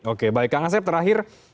oke baik kang asep terakhir